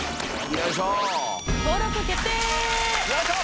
よいしょ！